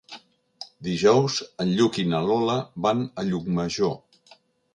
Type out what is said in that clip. Dijous en Lluc i na Lola van a Llucmajor.